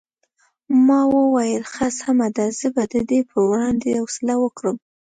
ما وویل ښه سمه ده زه به د دې په وړاندې حوصله وکړم.